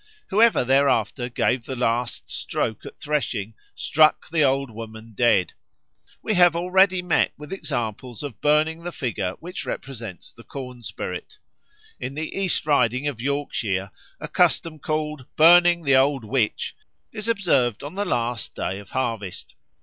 Whoever thereafter gave the last stroke at threshing "struck the Old Woman dead." We have already met with examples of burning the figure which represents the corn spirit. In the East Riding of Yorkshire a custom called "burning the Old Witch" is observed on the last day of harvest.